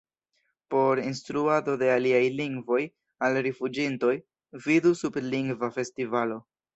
Por instruado de aliaj lingvoj al rifuĝintoj: vidu sub Lingva Festivalo.